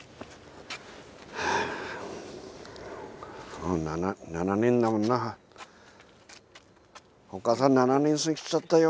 もう７年だもんなお母さん７年すぎちゃったよ